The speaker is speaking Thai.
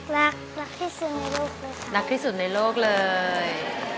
รักรักที่สุดในโลกรักที่สุดในโลกเลย